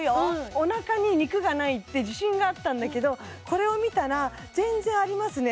お腹に肉がないって自信があったんだけどこれを見たら全然ありますね